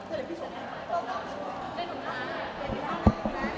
โปรดติดตามตอนต่อไป